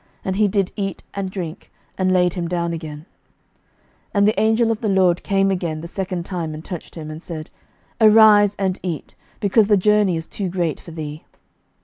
And he did eat and drink, and laid him down again. 11:019:007 And the angel of the LORD came again the second time, and touched him, and said, Arise and eat; because the journey is too great for thee.